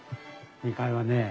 ２階はね